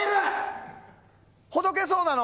ほどけそうなの？